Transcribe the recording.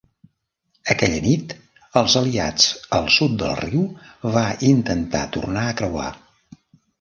Aquella nit, els aliats al sud del riu va intentar tornar a creuar.